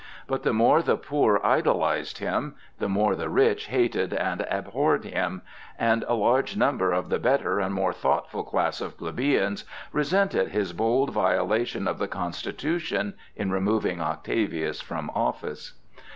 But the more the poor idolized him, the more the rich hated and abhorred him; and a large number of the better and more thoughtful class of plebeians resented his bold violation of the Constitution in removing Octavius from office.